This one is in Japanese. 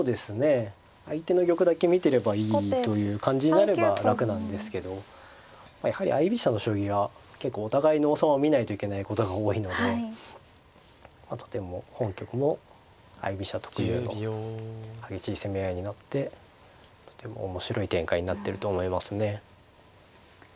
相手の玉だけ見てればいいという感じになれば楽なんですけどやはり相居飛車の将棋は結構お互いの王様見ないといけないことが多いのでとても本局も相居飛車特有の激しい攻め合いになってとても面白い展開になってると思いますね。